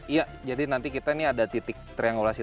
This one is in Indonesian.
iya jadi nanti kita ini ada titik triangulasi